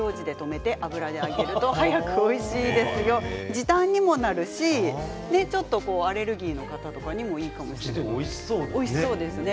時短にもなるしちょっとアレルギーの方とかにもいいかもしれないですね。